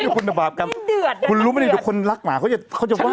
คุณภาพกรรมคุณรู้ไหมทุกคนรักหมาเขาจะว่าอย่างนี้นะ